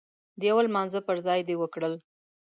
د يو لمانځه پر ځای دې وکړل.